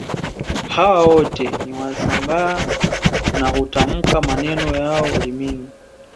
Hawa wote ni Wasambaa na hutamka maneno yao ulimini